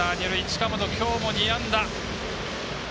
近本、きょうも２安打。